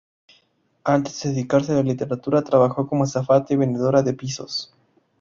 Antes de dedicarse a la literatura, trabajó como azafata y vendedora de pisos.